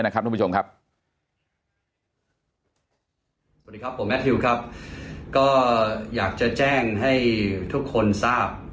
สวัสดีครับผมแมททิวครับก็อยากจะแจ้งให้ทุกคนทราบ